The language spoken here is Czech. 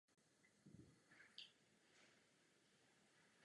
Byl též studentem na Londýnské akademii hudebních a dramatických umění.